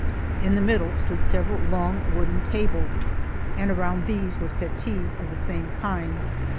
In the middle stood several long wooden tables, and around these were settees of the same kind.